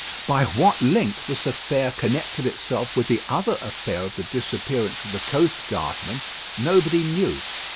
By what link this affair connected itself with the other affair of the disappearance of the coast guardman nobody knew.